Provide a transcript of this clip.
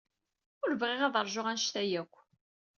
Ur bɣiɣ ad ṛjuɣ anect-a akk.